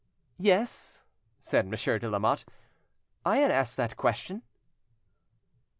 "Yes," said Monsieur de Lamotte, "I had asked that question."